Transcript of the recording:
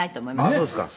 「あっそうですか」